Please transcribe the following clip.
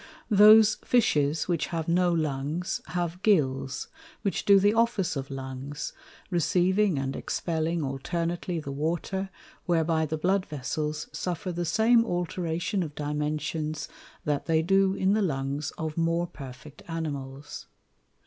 Those Fishes which have no Lungs, have Gills, which do the Office of Lungs, receiving and expelling alternately the Water, whereby the Blood Vessels suffer the same alteration of Dimensions, that they do in the Lungs of more perfect Animals.